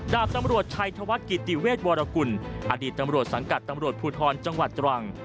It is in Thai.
ดาบตำรวจชัยธวัฒน์กิติเวชวรกุลอดีตตำรวจสังกัดตำรวจภูทรจังหวัดตรัง